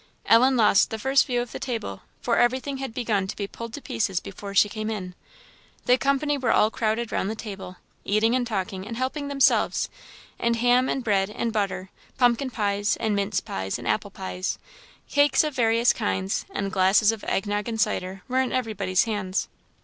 Ellen lost the first view of the table, for everything had begun to be pulled to pieces before she came in. The company were all crowded round the table, eating and talking, and helping themselves; and ham and bread and butter, pumpkin pies and mince pies and apple pies, cake of various kinds, and glasses of egg nogg and cider, were in everybody's hands.